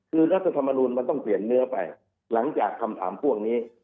คือรัฐธรรมนูลมันต้องเปลี่ยนเนื้อไปหลังจากคำถามพวกนี้